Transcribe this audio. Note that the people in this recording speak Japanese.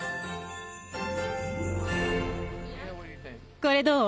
これどう？